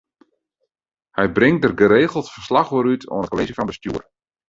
Hy bringt dêr geregeld ferslach oer út oan it Kolleezje fan Bestjoer.